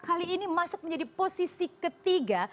kali ini masuk menjadi posisi ketiga